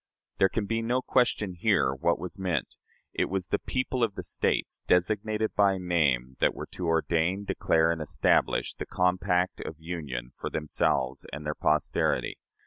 There can be no question here what was meant: it was "the people of the States," designated by name, that were to "ordain, declare, and establish" the compact of union for themselves and their posterity.